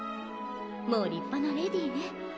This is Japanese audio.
もう立派なレディーね。